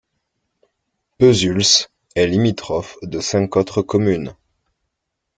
Pezuls est limitrophe de cinq autres communes.